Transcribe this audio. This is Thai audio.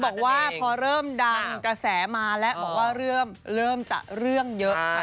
บอกว่าพอเริ่มดังกระแสมาแล้วบอกว่าเริ่มจะเรื่องเยอะ